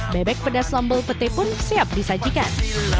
bebek pedas sambal pete pun siap disajikan